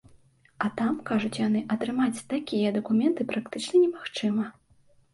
А там, кажуць яны, атрымаць такія дакументы практычна немагчыма.